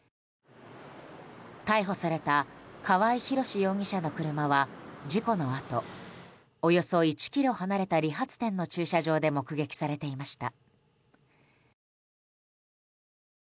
逮捕された川合廣司容疑者の車は事故のあとおよそ１ｋｍ離れた理髪店の駐車場で目撃されていました。